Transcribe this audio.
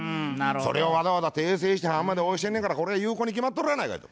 それをわざわざ訂正して判まで押してんねんからこれは有効に決まっとるやないか」と。